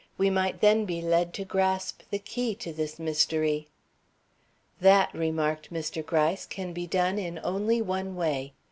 We might then be led to grasp the key to this mystery." "That," remarked Mr. Gryce, "can be done in only one way.